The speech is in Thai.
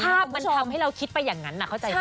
ภาพมันทำให้เราคิดไปอย่างนั้นเข้าใจดี